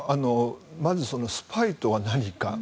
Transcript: まずスパイとは何か。